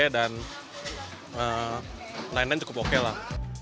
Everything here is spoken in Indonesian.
dan lain lain cukup oke lah